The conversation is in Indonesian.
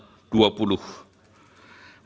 saya ingin mengucapkan bahwa